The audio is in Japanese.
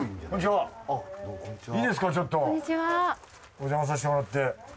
おじゃまさせてもらって。